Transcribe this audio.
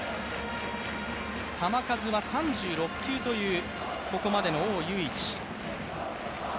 球数は３６球というここまでのオウ・ユイイチ。